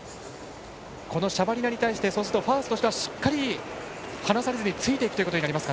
このシャバリナに対してファースとしてはしっかり離されずについていくという感じです。